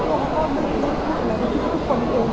อาจจะมีคนทักว่าเฮ้ยอาจจะมีความรู้สึก